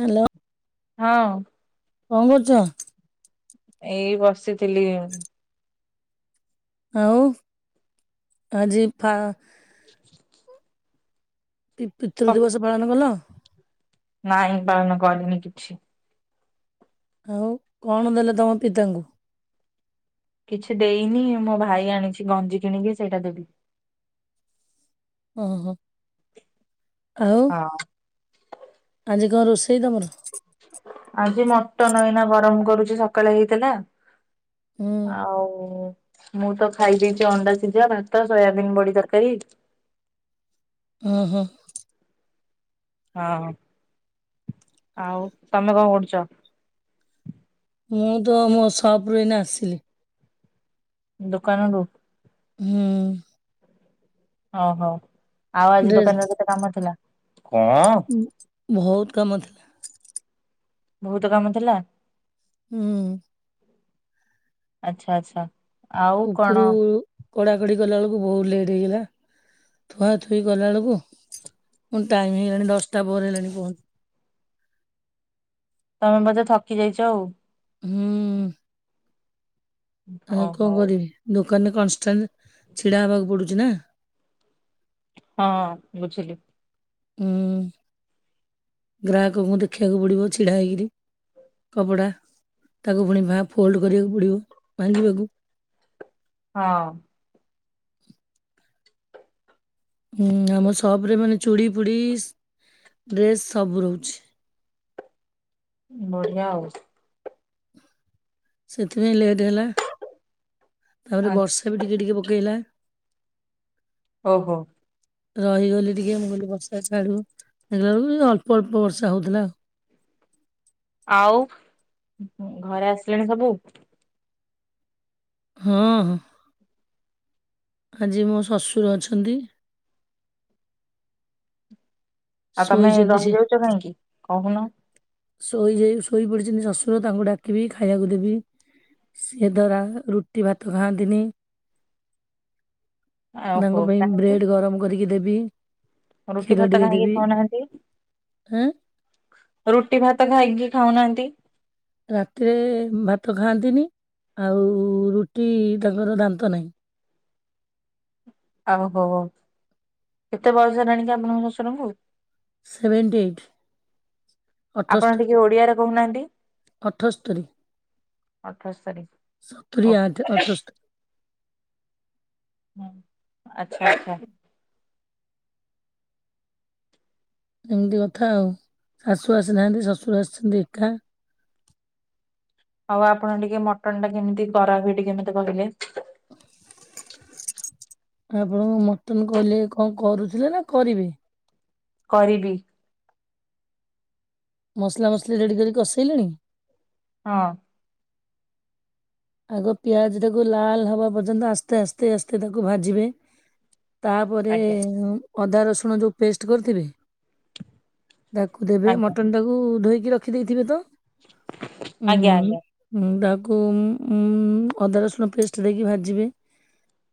Hello? ହଁ। କଣ କରୁଛ? ଏଇ ବସିଥିଲି। ଆଉ ଆଜି [inaudible] ପିତୃ ଦିବସ ପାଳନ କଲ? ନାାଇଇଁ ପାଳନ କଲିନି କିଛି। ଆଉ କଣ ଦେଲେ ତମ ପିତାଙ୍କୁ କିଛି ଦେଇନି ମୋ ଭାଇ ଆଣିଛି ଗଞ୍ଜି କିଣିକି ସେଇଟା ଦେବି। ଓ ହୋ ଆଉ ହଁ। ଆଜି କଣ ରୋଷେଇ ତମର? ଆଜି ମଟନ ଏଇନା ଗରମ କରୁଛି ସକାଳେ ହେଇଥିଲା। ହୁଁ ହଉ। ମୁଁ ତ ଖାଇ ଦେଇେଇଛି ଅଣ୍ଡା ସିଝା ଭାତ ସୋୟାବିନ୍ ବଡି ତରକାରୀ ହୁଁ ହୁଁ। ହଁ ଆଉ ତମେ କଣ କରୁଛ? ମୁଁ ତ ମୋ ସପ୍ରୁ ଏଇନ ଆସିଲି। ଦୋକାନରୁ। ହୁଁ। ଓହୋ ଆଉ ଆଜି ଡ୍ରେସ୍ ଦୋକାନରେ କେତେ କାମ ଥିଲା କଣ? ବହୁତ କାମ ଥିଲା। ବହୁତ କାମ ଥିଲା। ହୁଁ। ଆଚ୍ଛା ଆଚ୍ଛା। ଆଉ କଣ ଉପରୁ କଡା କଡି କଲା ବେଳକୁ ବହୁତ ଲେଟ୍ ହେଇଗଲା। ଥୁଆ ଥୁଇ ଗଲାବେେଳକୁ ପୁଣି ଟାଇମ୍ ହେଇଗଲାଣି ଦଶଟା ବର ହେଇଲାଣି ପହଞ୍ଚି ତମେ ବୋଧେ ଥକି ଯାଇଛ ଆଉ ହୁଁ। ଓ ଆ କଣ ହଉ କରିବି ଦୋକାନରେ କନଷ୍ଟାଣ୍ଟ ଛିଡା ହବାକୁ ପଡୁଛି ନା? ହଁ ବୁଝିଲି। ହୁଁ ଗ୍ରାହକଙ୍କୁ ଦେଖିବାକୁ ପଡିବ ଛିଡା ହେଇକିରି କପଡ଼ା ତାକୁ ପୁଣି ଫୋଲ୍ଡ କରିବାକୁ ପଡ଼ିବ ଭାଙ୍ଗିବାକୁ ହଁ। ହୁଁ ଆମ ସପରେ ମାନେ ଚୁଡ଼ି ଫୁଡି ଡ୍ରେସ୍ ସବୁ ରହୁଛି। ବଢିଆ ଆଉ ସେଥିପାଇଁ ଲେଟ ହେଲା ତାପରେ ଆଚ୍ଛା ବର୍ଷା ବି ଟିକେ ଟିକେ ପକେଇଲା। ହଉ ହଉ। ରହିଗଲି ଟିକେ ମୁଁ କଲି ବର୍ଷା ଛାଡୁ ଦେଖିଲା ବେଳକୁ ଅଳ୍ପ ଅଳ୍ପ ବର୍ଷା ହଉଥିଲା ଆଉ ଆଉ ଘରେ ଆସିଲେଣି ସବୁ। ହଁ, ଆଜି ମୋ ଶଶୁର ଅଛନ୍ତି। ଆଉ ତମେ ଶୋଇଛନ୍ତି ସିଏ ରହିଯାଉଛ କାହିଁକି କହୁନ? ଶୋଇଯାଇ ଶୋଇ ପଡିଛନ୍ତି ଶଶୁର ତାଙ୍କୁ ଡାକିବି ଖାଇବାକୁ ଦେବି। ସିଏ ତ ରୁଟି ଭାତ ଖାଆନ୍ତିନି। ମୁଁ ଓହୋ ତାଙ୍କ ପାଇଁ କାହିଁକି ବ୍ରେଡ ଗରମ କରିକି ଦେବି। ରୁଟି କ୍ଷୀର ଭାତ ଟିକେ କାହିଁକି ଦେବି ଖାଉନାହାନ୍ତି? ଏଁ ରୁଟି ଭାତ ଖାଇକି ଖାଉନାହାନ୍ତି। ରାତିରେ ଭାତ ଖାଆନ୍ତିନି ଆଉ ରୁଟି ତାଙ୍କର ଦାନ୍ତ ନାହିଁ। ଆଉ ହୋ କେତେ ବୟସ ହେଲାଣିକି ଆପଣ ଶଶୁରଙ୍କୁ? Seventy eight. ଆପଣ ଅଠସ୍ତରୀ ଟିକେ ଓଡିଆରେ କହୁନାହାନ୍ତି? ଅଠସ୍ତରୀ ଅଠସ୍ତରି ଓକେ। ଅଠସ୍ତରି। ହଁ ଆଚ୍ଛା ଆଚ୍ଛା। ଏମିତି କଥା ଆଉ ଶାଶୁ ଆସିନାହାନ୍ତି ଶଶୁର ଆସିଛନ୍ତି ଏକା। ଆଉ ଆପଣ ଟିକେ ମଟନଟା କେମିତି କରା ହୁଏ ଟିକେ ମେତେ କହିଲେ? ଆପଣ ମଟନ କହିଲେ କଣ କରୁଥିଲେ ନା କରିବେ? କରିବି? ମସଲା ମସଲା ରେଡ଼ି କରି କସେଇଲିଣି। ହଁ। ଆଗ ପିଆଜ ଟାକୁ ଲାଲ ହବା ପର୍ଯ୍ୟନ୍ତ ଆସ୍ତେ ଆସ୍ତେ ଆସ୍ତେ ତାକୁ ଭାଜିବେ। ତାପରେ ଆଜ୍ଞା ଅଦା ରସୁଣ ଯୋଉ ପେଷ୍ଟ କରିଥିବେ। ତାକୁ ଦେବେ ଆଜ୍ଞା ମଟନଟାକୁ ଧୋଇକି ରଖି ଦେଇଥିବେ ତ ଉଁ। ଆଜ୍ଞା ଆଜ୍ଞା ଆଜ୍ଞା ଉଁ ତାକୁ ଉଁ ଉଁ ଅଦା ରସୁଣ ପେଷ୍ଟ ଦେଇକି ଭାଜିବେ।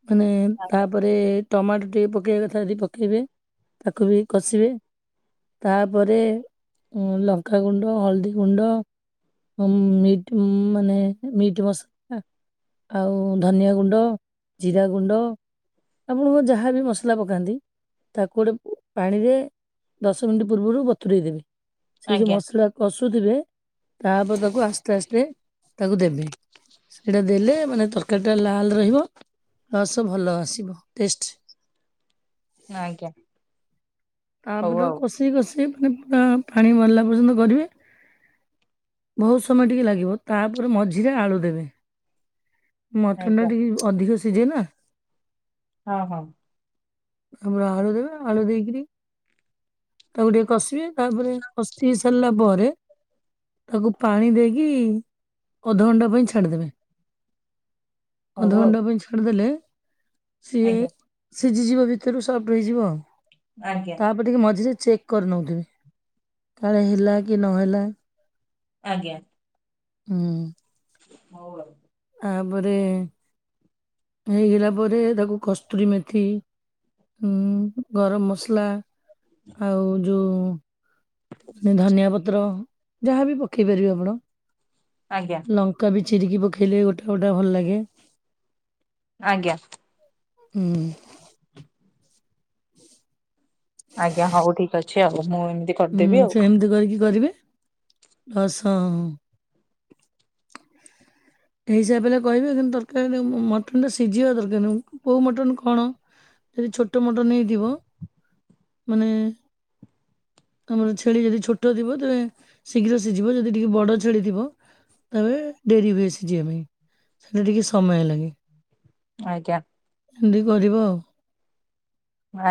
ମାନେ ତାପରେ ରେ ଟମାଟୋ ଟିକେ ପକେଇବା କଥା ଯଦି ପକାଇବେ ତାକୁ ବି କଷିବେ। ତାପରେ ଲଙ୍କାଗୁଣ୍ଡ, ହଳଦୀ ଗୁଣ୍ଡ ଉଁ ମିଟ୍ ମାନେ ମିଟ୍ ମସଲା। ହଁ, ଆଉ ଧନିଆ ଗୁଣ୍ଡ, ଜିରା ଗୁଣ୍ଡ। ଆପଣଙ୍କ ଯାହାବି ମସଲା ପକାନ୍ତି। ତାକୁ ଗୋଟେ ପାଣିରେ ଦଶ ମିନିଟ୍ ପୂର୍ବରୁ ବତୁରାଇ ଦେବେ। ସେଇ ଯୋଉ ଆଜ୍ଞା ମସଲା କଷୁଥିବେ ତାପରେ ତାକୁ ଆସ୍ତେ ଆସ୍ତେ ତାକୁ ଦେବେ। ହୁଁ ସେଇଟା ଦେଲେ ମାନେ ତରକାରୀଟା ଲାଲ ରହିବ ପ୍ଲସ ଭଲ ଆସିବ ଟେଷ୍ଟ। ଆଜ୍ଞା। ତା ପରେ ହଉ ଆଉ ତାକୁ କସି କସିି ମାନେ ପୁରା ପାଣି ମରିଲା ପର୍ଯ୍ୟନ୍ତ କରିବେ ବହୁତ ସମୟ ଟିକେ ଲାଗିବ। ତାପରେ ମଝିରେ ଆଳୁ ଦେବେ। ମଟନ ଆଜ୍ଞା ଟା ଟିକେ ଅଧିକ ସିଝେ ନା। ହଁ ହଁ ତାପରେ ଆଳୁ ଦେବେ ଆଳୁ ଦେଇକିରି ତାକୁ ଟିକେ କଷିବେ ତାପରେ କଷି ହେଇ ସାରିଲା ପରେ ତାକୁ ପାଣି ଦେଇକି ଅଧଘଣ୍ଟା ପାଇଁ ଛାଡ଼ିଦେବେ। ହଉ ଆଉ ଅଧଘଣ୍ଟା ପାଇଁ ଛାଡିଦେଲେ ସିଏ ଆଜ୍ଞା ସିଝିଯିବ ଭିତରୁ ସଫ୍ଟ ହେଇଯିବ। ଆଜ୍ଞା। ମ ଟିକିଏ ମଝିରେ ଚେକ୍ କରିନେଉଥିବେ କାଳେ ହେଲା କି ନହେଲା। ଆଜ୍ଞା। ହୁଁ। ହଁ ବା। ତାପରେ ହେଇଗଲା ପରେ ତାକୁ କସ୍ତୁରୀ ମେଥି ଉ-ଉ-ଉ ଗରମ ମସଲା ଆଉ ଯୋଉଁ ଧନିଆ ପତ୍ର ଯାହାବି ପକେଇ ପାରିବେ ଆପଣ। ଆଜ୍ଞା। ଲଙ୍କା ବି ଚିରିକି ପକେଇଲେ ଗୋଟେ ଗୋଟେ ଭଲ ଲାଗେ। ଆଜ୍ଞା। ହୁଁ। ଆଜ୍ଞା ହଉ ଠିକ୍ ଅଛି ଆଉ ମୁଁ ଏମିତି ହୁଁ କରିଦେବି ଆଉ ସେମିତି କରିକି କରିବେ ମାଂସ ଏଇ ହିସାବ ରେ କରିବେ କିନ୍ତୁ ତରକାରୀର ମ-ମ ମଟନ୍ ଟା ସିଝିବା ଦରକାର କେଉଁ ମଟନ୍ କଣ। ଯଦି ଛୋଟ ମଟନ୍ ନେଇଥିବ ମାନେ-ଏ-ଏ ଆମର ଛେଳି ଯଦି ଛୋଟ ଥିବ ତେବେ ଶୀଘ୍ର ସିଝିବ ଯଦି ଟିକିଏ ବଡ଼ ଛେଳି ଥିବ ତାବେ ଡେରି ହୁଏ ସିଜିବା ପାଇଁ ସେଥିରେ ଟିକେ ସମୟ ଲାଗେ। ଆଜ୍ଞା। ଏମିତି କରିବ।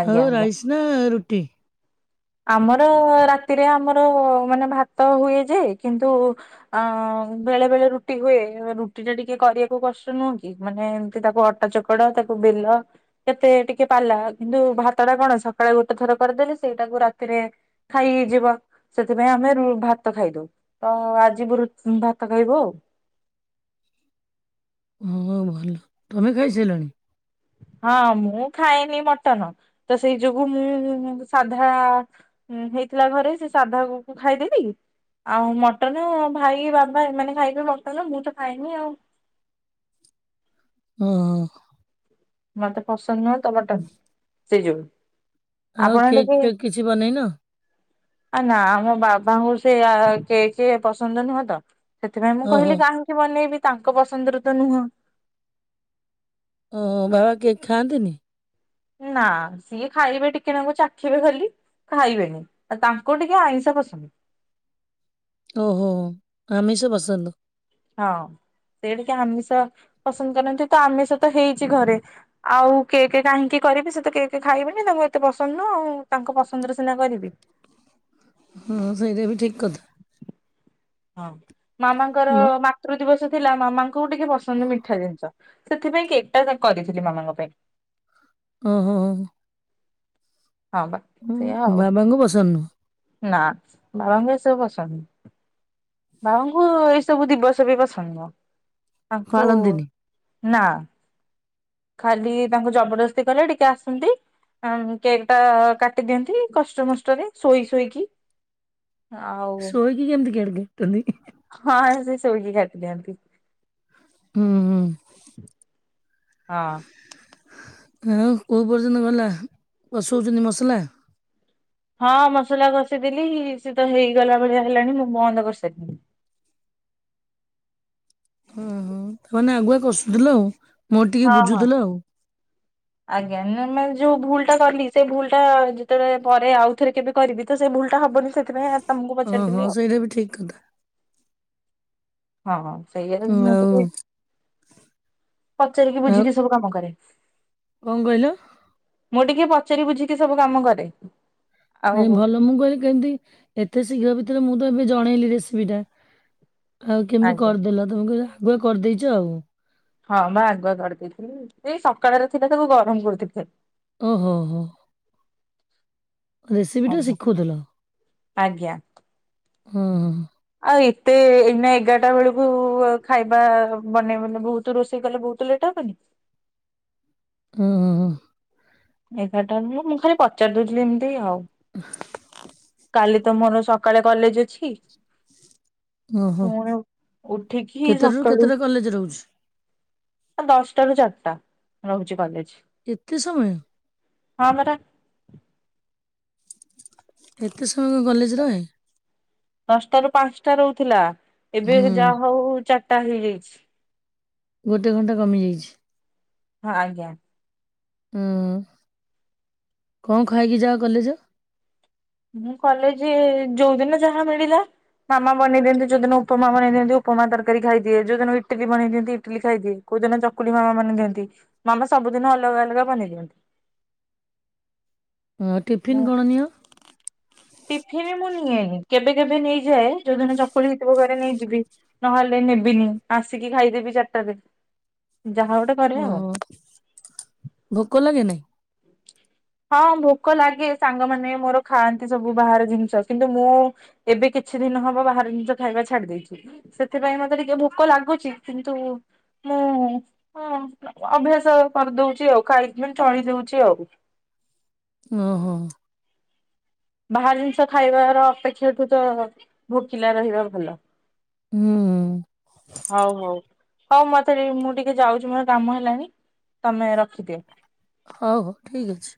ଆଜ୍ଞା ଆଉ ଆଜ୍ଞା ରାଇସ୍ ନା ରୁଟି? ଆମର-ଅ-ଅ-ଅ ରାତିରେ ଆମର-ଅ-ଅ ମାନେ ଭାତ ହୁଏ ଯେ କିନ୍ତୁ ଅ-ଅ-ଅ ବେଳେ ବେଳେ ରୁଟି ହୁଏ। ରୁଟି ଟା ଟିକେ କରିବାକୁ କଷ୍ଟ ନୁହଁ କି। ମାନେ ଏମତି ତାକୁ ଅଟା ଚୋକଡ ତାକୁ ବେଲ। କେତେ ଟିକେ ପାଲା କିନ୍ତୁ ଭାତ ଟା କଣ ସକାଳେ ଗୋଟେ ଥର କରିଦେଲେ ସେଇଟାକୁ ରା ତିରେ ଖାଇ ହେଇଯିବ ସେଥିପାଇଁ ଆମେ ରୁ-ଉ-ଉ ଭାତ ଖାଇଦଉ। ତ ଆଜିି ବ୍ରୁ ଉ ଭାତ ଖାଇବୁ। ହୁଁ-ଉ ଭଲ ତମେ ଖାଇସାରିଲଣି? ହଁ ମୁଁ ଖାଏନି ମଟନ୍ ତ ସେଇ ଯୋଗୁ ମୁଁ-ଉ-ଉ-ଉ ସାଧା-ଆ-ଆ ହୁଁ ହେଇଥିଲା ଘରେ ସେ ସାଧା କୁ କୁ ଖାଇଦେଲି। ଆଉ ମଟନ୍ ଭାଇ, ବାବା ଏମାନେ ଖାଇବେ ମଟନ ମୁଁ ତ ଖାଇନି ଆଉ। ହଁ-ଅ-ଅ। ମତେ ପସନ୍ଦ ନୁହଁ ତ ମଟନ୍ ସେଇ ଯୋଗୁ। ଆଉ ଆପଣ କେକ୍ ଟିକେ ଫେକ୍ କିଛି ବନେଇନ ଆ ନା ମ ବାବାଙ୍କୁ ସେ ଆ-ଆ କେଏକେ ପସନ୍ଦ ନୁହଁ ତ। ସେଥିପାଇଁ ମୁଁ ଓହୋ କହିଲି କାହିଁକି ବନେଇବି ତାଙ୍କ ପସନ୍ଦର ତ ନୁହଁ। ଓ-ଓ ବାବା କେକ୍ ଖାଆନ୍ତିନି? ନା ସିଏ ଖାଇବେ ଟିକେ ନାଖୁ ଚାଖିବେ ଖାଲି। ଖାଇବେନି ତାଙ୍କୁ ଟିକେ ଆଇଁଷ ପସନ୍ଦ। ଓହୋ ଆମିଷ ପସନ୍ଦ। ହଁ ସେଇ ଟିକେ ଆମିଷ ପସନ୍ଦ କରନ୍ତି। ତ ଆମିଷ ତ ହେଇଛି ଘରେ। ଆଉ କେକ୍ କାହିଁକି କରିବି ସେ ତ କେକ୍ ଖାଇବେନି ତାଙ୍କୁ ଏତେ ପସନ୍ଦ ନୁହ ତାଙ୍କ ପସନ୍ଦର ସିନା କରିବି। ହଁ ସେଇଠା ବି ଠିକ କଥା। ହଁ ମାମାଙ୍କର ମା ବ- ମାତୃ ଦିବସ ଥିଲା, ମାମାଙ୍କୁ ଟିକେ ପସନ୍ଦ ମିଠା ଜିନିଷ। ସେଥିପାଇଁ କେକ୍ ଟା କରିଥିଲି ମାମାଙ୍କ ପାଇଁ। ଓହୋ! ହ ହ ହ। ହଁ, ବା ସେଇଆ ଆଉ। ବାବାଙ୍କୁ ପସନ୍ଦ ନୁହଁ ନା, ବାବାଙ୍କୁ ଏ ସବୁ ପସନ୍ଦ ନୁ। ବାଉଙ୍କୁ ଏଇସବୁ ଦିବସ ପିବସ ନୁହଁ ତାଙ୍କୁ-ଉ ପାଳନ୍ତିନି। ନା। ଖାଲି, ତାଙ୍କୁ ଜବରଦସ୍ତି କଲେ ଟିକେ ଆସନ୍ତି। କେକ୍ ଟା କାଟିଦିଅନ୍ତି, କଷ୍ଟମଷ୍ଟରେ ଶୋଇ ଶୋଇକି। ଆଉ-ଉ ଥୋଇକି କେମିତି କେଟ୍ କାଟନ୍ତି? ହଁ, ସେ ଶୋଇିକି କାଟି ଦିଅନ୍ତି। ହୁଁ ହୁଁ ହଁ। ଆଉ, କଉ ପର୍ଯ୍ୟନ୍ତ ଗଲା କଷଉଛନ୍ତି ମସଲା? ହଁ, ମସଲା କଷିଦେଲି, ସେ ତ ହେଇଗଲା ଭଳିଆ ହେଲାଣି ମୁଁ ବନ୍ଦ କରିସାରିଲିଣି। ହୁଁ ହୁଁ କୁହନା ଆଗୁଆ କସୁଥିଲ ଆଉ, ମୋର ଟିକେ ହଁ ହଁ। ବୁଝୁଥିଲ ଆଉ। ଆଜ୍ଞା, ନ ମାନେ ଯୋଉ ଭୁଲ୍ ଟା କଲି ସେ ଭୁଲ୍ ଟା ଯେତେବେଳେ ପରେ ଆଉ, ଥରେ କେବେ କରିବି ତ ସେ ଭୁଲ୍ ଟା ହବନି ସେ ସେଥିପାଇଁ ତମକୁ ପଚାରିଥିଲି ଆଉ। ଏଟାବି ବି ଠିକ୍ କଥା। ହଁ। ସେଇଆ, ହୁଁ, ମୁଁ ତ ଆଉ କହି ପଚାରିକି ଆଉ ବୁଝିକି ସବୁ କାମ କରେ। କଣ କହିଲ? ମୁଁ ଟିକେ ପଚାରି ବୁଝିକି ସବୁ କାମ କରେ। ନାଇଁ, ଆଉ ଭଲ ମୁଁ କହିଲି କେମତି, ଏତେ ଶୀଘ୍ର ଭିତରେ, ମୁଁ ତ ଏବେ ଜଣେଇଲି ରେସିପି ଟା। ଆଉ, କେମିତି ଆଜ୍ଞା। କରିଦେଲ, ତମେ କହିଲ ଆଗୁଆ କରିଦେଇଚ ଆଉ। ହଁ, ବା ଆଗୁଆ କରିଦେଇଥିଲି। ସେଇ ସକାଳର ଥିଲା ସବୁ ଗରମ କରୁଥିଲି ଖାଲି। ଓହୋ! ହୋ। ରେସିପି ଟା ଆଜ୍ଞା। ଶିଖୁଥୁଲ। ଆଜ୍ଞା। ଓହ। ଆଉ, ଏତେ ଏଇନା ଏଗାରଟା ବେଳକୁ-ଉ ଖାଇବା ବନେଇ ବନେ ବହୁତ ରୋଷେଇ କଲେ, ବହୁତ ତ ଲେଟ୍ ହବନି। ଉଁ ହୁ ହୁ। ଏଗାରଟା ନୁହଁ, ମୁଁ ଖାଲି ପଚାରି ଦଉଥିଲି ଏମିତି ଆଉ। [unintelligible] କାଲି ତ ମୋର ସକାଳେ କଲେଜ ଅଛି। ଓହୋ ପୁଣି ଉ-ଉଠିିକି କେତେଟାରୁ ସକାଳୁ କେତେଟା କଲେଜ ରହୁଛି? ଦଶଟା ରୁ ଚାରିଟା ରହୁଛି କଲେଜ। ଏତେ ସମୟ? ହଁ ପରା। ଏତେ ସମୟ କଁ କଲେଜ ରହେ? ଦଶଟା ରୁ ପାଞ୍ଚଟା ରହୁଥିଲା। ଏବେ ହୁଁ ଯାହା ହଉ, ଚାରଟା ହେଇଯାଇଛି। ଗୋଟେ ଘଣ୍ଟା କମିଯାଇଛି। ହଁ, ଆଜ୍ଞା। ଉଁ, କଣ ଖାଇକି ଯାଅ କଲେଜ? ମୁଁ, କଲେଜେ ଯୋଉଦିନ ଯାହା ମିଳିଲା। ମାମ ବନେଇ ଦିଅନ୍ତି, ଯୋଦିନ ଉପମା ବନେଇ ଦଅନ୍ତି, ଉପମା ତରକାରୀ ଖାଇଦିଏ। ଯଉଦିନ ଇଟିଲି ବନେଇ ଦିଅନ୍ତି, ଇଟିଲି ଖାଇଦିଏ। କୋଉଦିନ ଚକୁଳି ମାମା ମାନେ ଦିଅନ୍ତି। ମାମା ସବୁଦିନ ଅଲଗା ଅଲଗା ବନେଇ ଦିଅନ୍ତି। ହଁ, ଟିଫିନ୍ ହୁଁ। କଣ ନିଅ? ଟିଫିନ ମୁଁ ନିଏନି। କେବେ କେବେ ନେଇଯାଏ? ଯୋଉଦିନ ଚକୁଳି ହେଇଥିବ ଘରେ ନେଇଯିବି। ନହେଲେ ନେବିନି। ଆସିକି ଖାଇଦେବି ଚାର୍ ଟାରେ। ଅ ହୋ, ଭୋକ ଲାଗେ ନାଇଁ? ହଁ, ଭୋକ ଲାଗେ। ସାଙ୍ଗମାନେ ମୋର ଖାଆନ୍ତି ସବୁ ବାହାର ଜିନିଷ। କିନ୍ତୁ ମୁଁ ଏବେ କିଛି ଦିନ ହବ ବାହହାର ଜିନିଷ ଖାଇବା ଛାଡି ଦେଇଛି। ସେଥିପାଇଁ ମତେ ଟିକେ ଭୋକ ଲାଗୁଛି, କିନ୍ତୁ ମୁଁ ହ ଅଭ୍ୟାସ କରିଦଉଛି ଆଉ ଖାଇ ଚଳି ଦଉଛି ଆଉ ଓହୋ ବାହାର ଜିନିଷ ଖାଇବାର ଅପେକ୍ଷାଠୁ ତ ଭୋକିଲା ରହିବା ଭଲ। ହୁଁ ହଉ ହଉ ହଉ ମତେ ଟ ମୁଁ ଟିକେ ଯାଉଛି ମୋର କାମ ହେଲାଣି। ତମେ ରଖିଦିଅ। ହଉ ହଉ ଠିକ ଅଛି।